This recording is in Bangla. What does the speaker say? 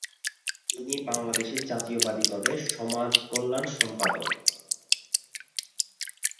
তিনি বাংলাদেশ জাতীয়তাবাদী দলের সমাজকল্যাণ সম্পাদক।